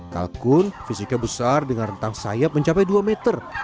kalkun fisiknya besar dengan rentang sayap mencapai dua meter